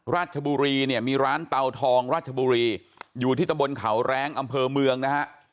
ราชบุรีเนี่ยมีร้านเตาทองราชบุรีอยู่ที่ตะบนเขาแรงอำเภอเมืองนะฮะ